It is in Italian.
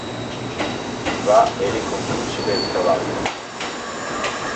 Va e riconducile il cavallo.